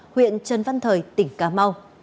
huyện trân văn thời tỉnh cà mau